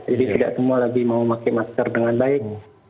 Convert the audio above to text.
jadi tidak semua lagi mau pakai masker dengan baik